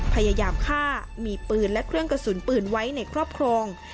พยายามฆ่ามีปืนและเครื่องกระสุนปืนไว้ในครอบครอง